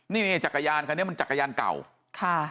นี่นี่จักรยานคันนี้มันจักรยานเก่าค่ะ